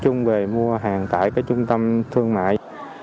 chúng tôi sẽ về mua hàng tại cái trung tâm thương mại